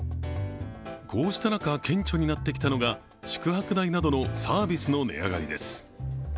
こうした中、顕著になってきたのが宿泊代などのサービスの値上がりです。